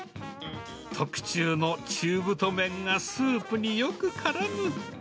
特注の中太麺がスープによくからむ。